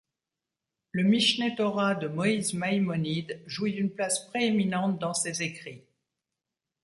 Le Mishné Torah de Moïse Maïmonide jouit d'une place prééminente dans ses écrits.